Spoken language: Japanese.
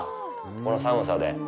この寒さで。